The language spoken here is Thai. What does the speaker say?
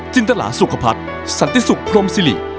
จินตลาสุขภัทรสันติสุขพรมศิริ